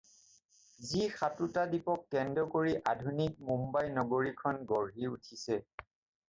যি সাতোটা দ্বীপক কেন্দ্ৰ কৰি আধুনিক মুম্বাই মহানগৰী গঢ়ি উঠিছে।